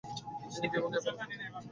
তিনি বিভাগীয় প্রধান হন।